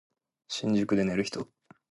新宿で寝る人